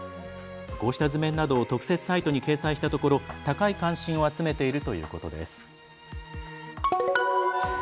こうした図面などを特設サイトに掲載したところ高い関心を集めているということです。